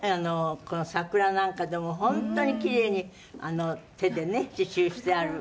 この桜なんかでも本当に奇麗に手でね刺繍してある。